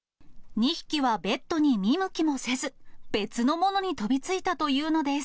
２匹はベッドに見向きもせず、別のものに飛びついたというのです。